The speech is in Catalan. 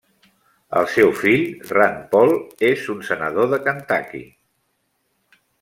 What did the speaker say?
El seu fill, Rand Paul, és un Senador de Kentucky.